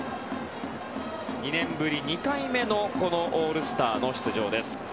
２年ぶり２回目のオールスターの出場です。